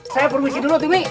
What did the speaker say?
saya permisi dulu tuh mi